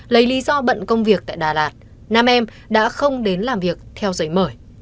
lấy lý do bận công việc tại đà lạt nam em đã không đến làm việc theo giấy mời